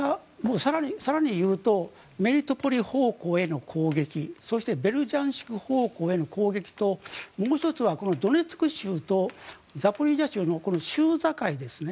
更に言うとメリトポリ方向への攻撃そしてベルジャンシク方向への攻撃ともう１つはドネツク州とザポリージャ州の州境ですね。